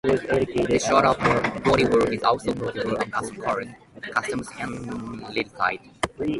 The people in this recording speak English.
This sort of bodywork is also popular on custom cars, kustoms, and leadsleds.